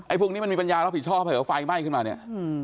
พวกนี้มันมีปัญญารับผิดชอบเผลอไฟไหม้ขึ้นมาเนี่ย